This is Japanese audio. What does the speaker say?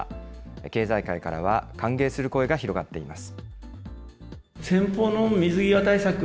経済界からは歓迎する声が広がっています。